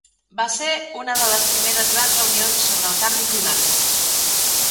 Va ser una de les primeres gran reunions sobre el canvi climàtic.